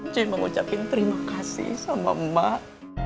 cuy mengucapkan terima kasih sama mak